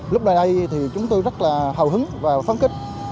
lúc này thì chúng tôi rất là hào hứng và phán kích